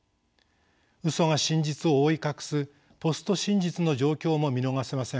うそが真実を覆い隠すポスト真実の状況も見逃せません。